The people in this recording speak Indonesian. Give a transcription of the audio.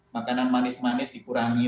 makanan manis manis dikurangi